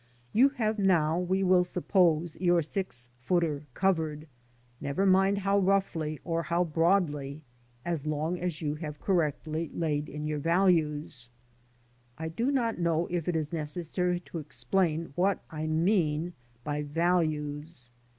You have now, we will suppose, your six footer covered — never mind how roughly or how broadly, as long as you have correctly I laid in your values. I do not know if it is necessary to explain I what I mean by values.